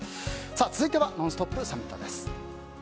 続いてはＮＯＮＳＴＯＰ！サミットです。